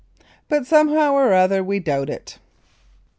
But somehow or other we doubt it.